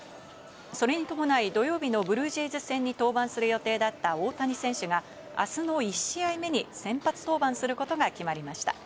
それに伴い土曜日のブルージェイズ戦に登板する予定だった大谷選手があすの１試合目に先発登板することが決まりました。